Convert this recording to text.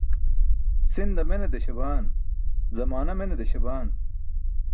Si̇nda mene deśabaan, zamaana mene désabaan.